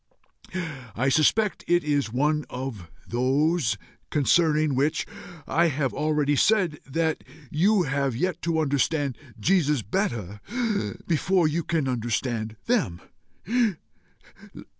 I suspect it is one of those concerning which I have already said that you have yet to understand Jesus better before you can understand them.